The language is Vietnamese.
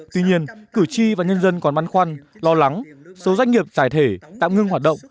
tuy nhiên cử tri và nhân dân còn băn khoăn lo lắng số doanh nghiệp giải thể tạm ngưng hoạt động